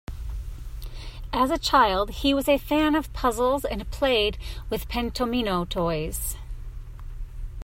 As a child, he was a fan of puzzles and played with pentomino toys.